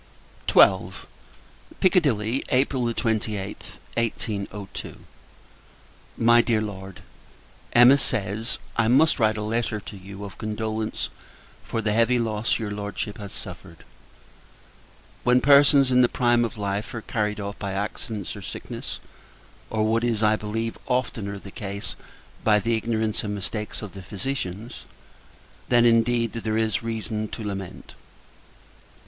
XII. Piccadilly, April 28th, 1802. MY DEAR LORD, Emma says I must write a letter to you, of condolence for the heavy loss your Lordship has suffered. When persons, in the prime of life, are carried off by accidents or sickness or what is, I believe, oftener the case, by the ignorance and mistakes of the physicians then, indeed, there is reason to lament!